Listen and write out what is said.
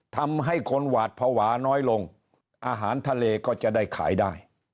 ทำให้คนหวาดภาวะน้อยลงอาหารทะเลก็จะได้ขายได้